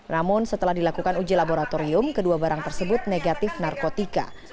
namun setelah dilakukan uji laboratorium kedua barang tersebut negatif narkotika